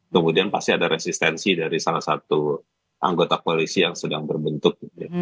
kemudian pasti ada resistensi dari salah satu anggota koalisi yang sedang berbentuk